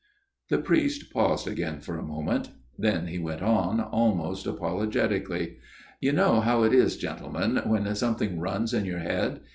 The priest paused again for a moment. Then he went on, almost apologetically. " You know how it is, gentlemen, when something runs in your head.